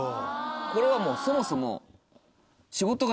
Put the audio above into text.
これはもうそもそも。